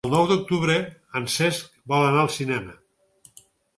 El nou d'octubre en Cesc vol anar al cinema.